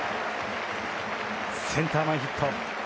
センター前ヒット。